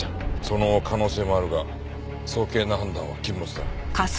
その可能性もあるが早計な判断は禁物だ。